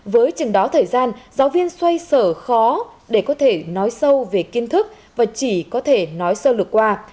với chừng đó thời gian giáo viên xoay sở khó để có thể nói sâu về kiến thức và chỉ có thể nói sơ lược qua